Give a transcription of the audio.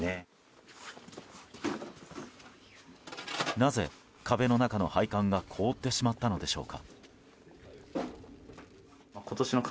なぜ壁の中の配管が凍ってしまったのでしょうか。